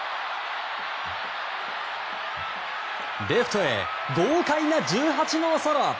レフトへ豪快な１８号ソロ！